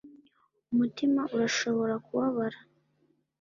umutima urashobora kubabara